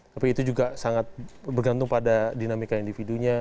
tapi itu juga sangat bergantung pada dinamika individunya